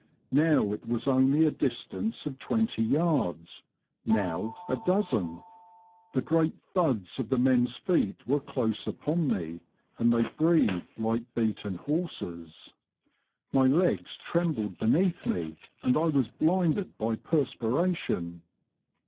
Now it was only a distance of twenty yards — now a dozen. The great thuds of the men's feet were close 1 68 The Confessions of a Poacher, upon me, and they breathed like beaten horses. My legs trembled beneath me, and I was blinded by perspiration.